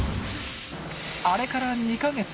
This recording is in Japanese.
あれから２か月。